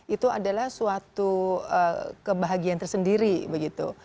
itu adalah suatu kebahagiaan tersendiri begitu